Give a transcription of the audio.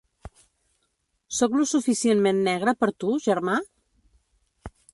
Sóc lo suficientment negre per tu, germà?